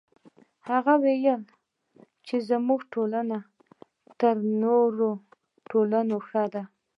هغه وایي چې زموږ ټولنه تر نورو ټولنو ښه ده